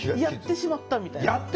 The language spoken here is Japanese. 「やってしまった」みたいな。